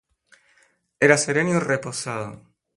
Era sereno y reposado.